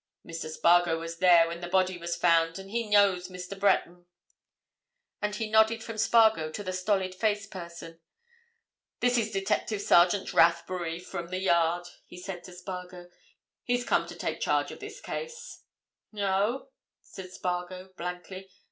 Mr. Spargo was there when the body was found. And he knows Mr. Breton." Then he nodded from Spargo to the stolid faced person. "This is Detective Sergeant Rathbury, from the Yard," he said to Spargo. "He's come to take charge of this case." "Oh?" said Spargo blankly.